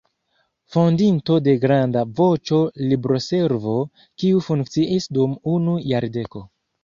Fondinto de granda "Voĉo-Libroservo" kiu funkciis dum unu jardeko.